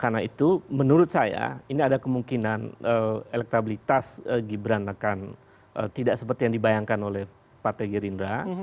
karena itu menurut saya ini ada kemungkinan elektabilitas gibran akan tidak seperti yang dibayangkan oleh pak t girindra